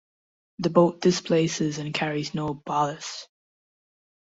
The boat displaces and carries no ballast.